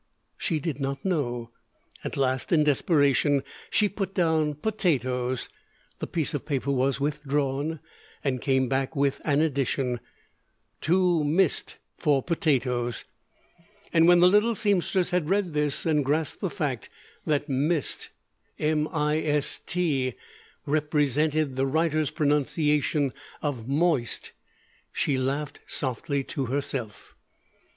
She did not know. At last in desperation she put down "potatoes." The piece of paper was withdrawn, and came back with an addition: Too mist for potatos And when the little seamstress had read this, and grasped the fact that "m i s t" represented the writer's pronunciation of "moist," she laughed softly to herself.